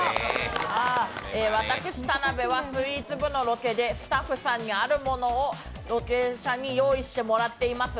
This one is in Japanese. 私、田辺はスイーツ部のロケで、スタッフさんにあるものをロケ車に用意してもらっています。